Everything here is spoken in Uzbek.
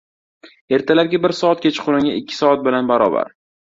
• Ertalabki bir soat kechqurungi ikki soat bilan barobar.